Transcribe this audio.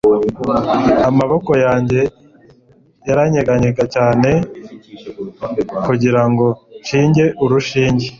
amaboko yanjye yaranyeganyega cyane kugirango nshinge urushinge